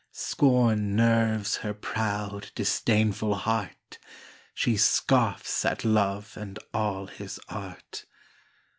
Scorn nerves her proud, disdainful heart ! She scoffs at Love and all his art